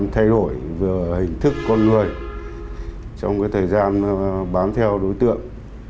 trong thời gian bám theo đối tượng